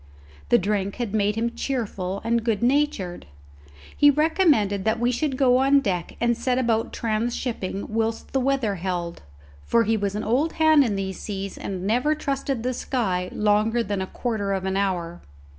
The drink had made him cheerful and good natured. He recommended that we should go on deck and set about transhipping whilst the weather held, for he was an old hand in these seas and never trusted the sky longer than a quarter of an hour.